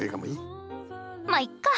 まあいっか！